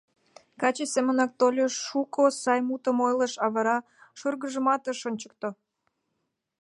Каче семынак тольо, шуко сай мутым ойлыш, а вара шӱргыжымат ыш ончыкто.